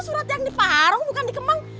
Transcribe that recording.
surat yang di parung bukan di kemang